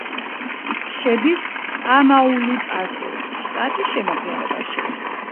შედის ტამაულიპასის შტატის შემადგენლობაში.